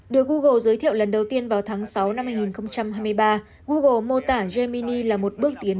được google giới thiệu lần đầu tiên vào tháng sáu năm hai nghìn hai mươi ba google mô tả jamini là một bước tiến